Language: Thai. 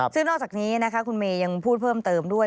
ซึ่งนอกจากนี้นะคะคุณเมย์ยังพูดเพิ่มเติมด้วย